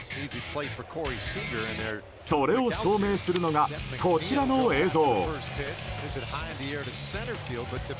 それを証明するのがこちらの映像。